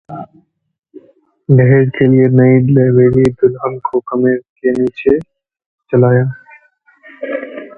दहेज के लिए नई नवेली दुल्हन को कमर के नीचे जलाया